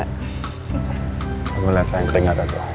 kamu liat saya ngeri gak tadi